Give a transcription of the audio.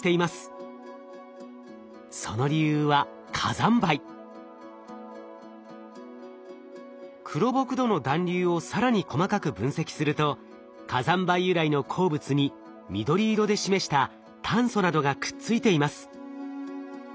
その理由は黒ボク土の団粒を更に細かく分析すると火山灰由来の鉱物に緑色で示した炭素などがくっついています。